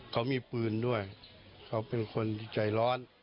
เขามีปืนด้วยเขาเป็นคนที่ใจร้อน